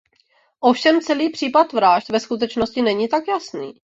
Ovšem celý případ vražd ve skutečnosti není tak jasný.